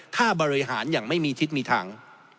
ถ้าบริหารอย่างไม่มีทิศมีทาง